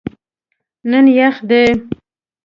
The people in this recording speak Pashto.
نن یخ دی